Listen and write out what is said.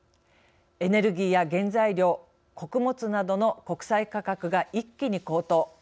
エネルギーや原材料穀物などの国際価格が一気に高騰。